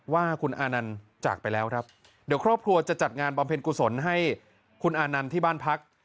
ว่าคุณอานันต์จากไปแล้วครับเดี๋ยวครอบครัวจะจัดงานบำเพ็ญกุศลให้คุณอานันต์ที่บ้านพัก